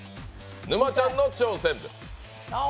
沼ちゃんの挑戦です。